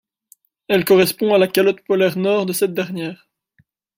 Elle correspond à la calotte polaire Nord de cette dernière.